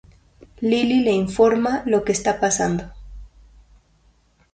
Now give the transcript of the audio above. Lily le informa lo que está pasando.